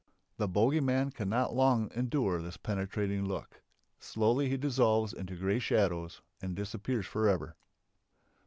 The bogey man cannot long endure this penetrating look; slowly he dissolves into grey shadows and disappears for ever.